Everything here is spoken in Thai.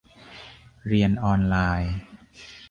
- เรียนออนไลน์